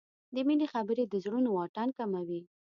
د مینې خبرې د زړونو واټن کموي.